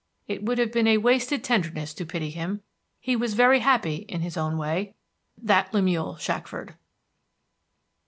It would have been a wasted tenderness to pity him. He was very happy in his own way, that Lemuel Shackford.